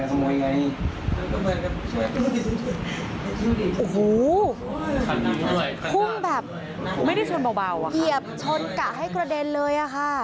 โอ้โหพุ่งแบบไม่ได้ชนเบาอ่ะเหยียบชนกะให้กระเด็นเลยอะค่ะ